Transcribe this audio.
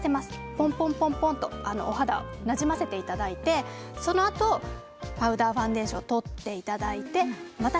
ポンポンとなじませていただいてそのあとパウダーファンデーションをとっていただいてまた